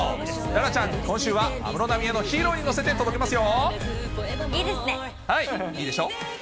楽々ちゃん、今週は安室奈美恵のＨｅｒｏに載せて伝えますよ。